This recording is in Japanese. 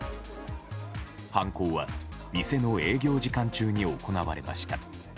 犯行は店の営業時間中に行われました。